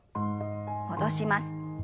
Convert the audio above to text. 戻します。